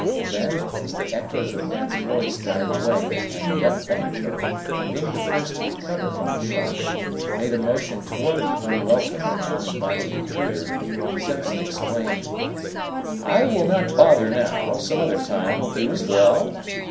Then, as the echoes of Ned's voice died away and the young bank clerk, being the first to recover from the shock, made a motion toward the unwelcome and uninvited intruder, Simpson exclaimed. "I will not bother now. Some other time will do as well."